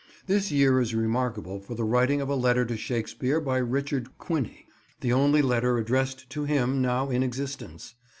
This year is remarkable for the writing of a letter to Shakespeare by Richard Quiney, the only letter addressed to him now in existence.